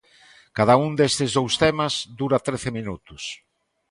Cada un destes dous temas dura trece minutos.